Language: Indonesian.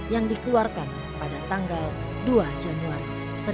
yang dikeluarkan pada tanggal dua januari seribu sembilan ratus empat puluh